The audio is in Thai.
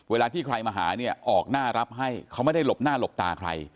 เวลาที่ใครมาหาเนี่ยออกหน้ารับให้เขาไม่ได้หลบหน้าหลบตาใคร